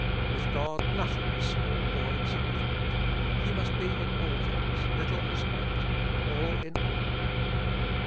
With God nothing is small or insignificant. He must be in things, little as great, All in All.